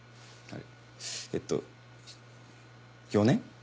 えっと４年？